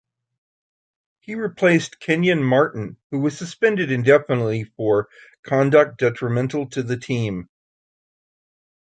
He replaced Kenyon Martin who was suspended indefinitely for "conduct detrimental to the team".